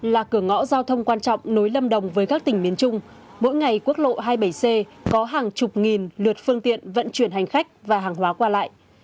là cửa ngõ giao thông quan trọng nối lâm đồng với các tỉnh miền trung mỗi ngày quốc lộ hai mươi bảy c có hàng chục nghìn lượt phương tiện vận chuyển hành khách và hàng hóa qua lại